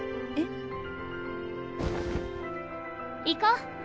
行こう！